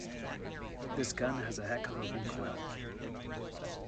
This gun has a heck of a recoil.